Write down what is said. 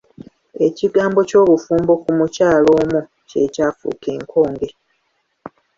Ekigambo ky'obufumbo ku mukyala omu kye kyafuuka enkonge.